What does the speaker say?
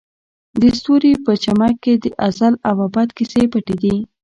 د ستوري په چمک کې د ازل او ابد کیسې پټې دي.